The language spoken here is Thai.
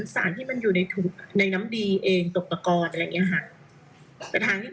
สารที่มันอยู่ในถุงในน้ำดีเองตัวประกอบอะไรอย่างนี้ค่ะ